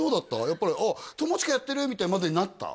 やっぱり友近やってるみたいなまでになった？